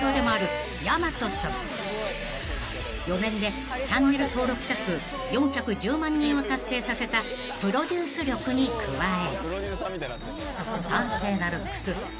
［４年でチャンネル登録者数４１０万人を達成させたプロデュース力に加え］